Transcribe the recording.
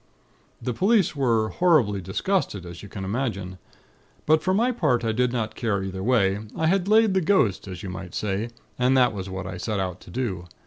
"The police were horribly disgusted, as you can imagine; but for my part, I did not care either way. I had 'laid the ghost,' as you might say, and that was what I set out to do.